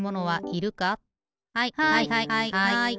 はいはいはい。